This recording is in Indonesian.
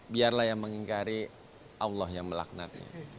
biarlah yang mengingkari allah yang melaknatnya